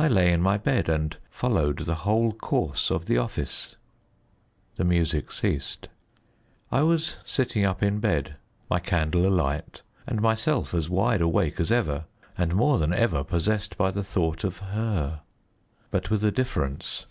I lay in my bed and followed the whole course of the office. The music ceased. I was sitting up in bed, my candle alight, and myself as wide awake as ever, and more than ever possessed by the thought of her. But with a difference.